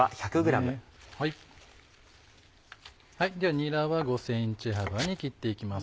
にらは５ｃｍ幅に切っていきます。